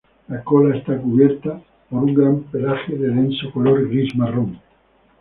La cola esta cubierta por un pelaje denso de color gris-marrón.